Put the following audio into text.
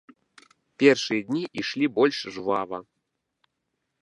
Першыя дні ішлі больш жвава.